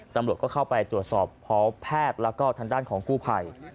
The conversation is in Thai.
ตำรวจก็เข้าไปตรวจสอบพร้อมแพทย์แล้วก็ทางด้านของกู้ภัย